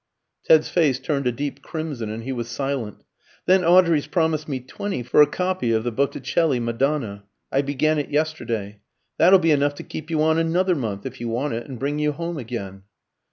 Ted's face turned a deep crimson, and he was silent. "Then Audrey's promised me twenty for a copy of the Botticelli Madonna; I began it yesterday. That'll be enough to keep you on another month, if you want it, and bring you home again."